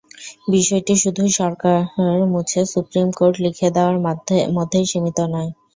বিষয়টি শুধুই সরকার মুছে সুপ্রিম কোর্ট লিখে দেওয়ার মধ্যেই সীমিত নয়।